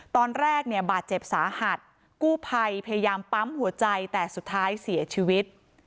ตอนแรกเนี่ยบาดเจ็บสาหัสกู้ภัยพยายามปั๊มหัวใจแต่สุดท้ายเสียชีวิต